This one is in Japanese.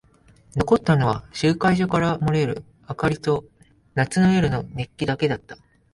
残ったのは集会所から漏れる明かりと夏の夜の熱気だけだった。